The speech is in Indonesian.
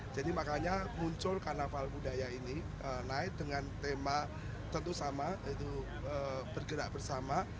jadi makanya muncul karnaval budaya ini naik dengan tema tentu sama yaitu bergerak bersama